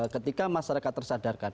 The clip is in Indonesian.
ketika masyarakat tersadarkan